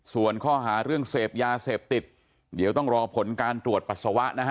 ส่วนข้อหาเรื่องเสพยาเสพติดเดี๋ยวต้องรอผลการตรวจปัสสาวะนะฮะ